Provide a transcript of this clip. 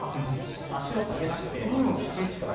足を上げなくて。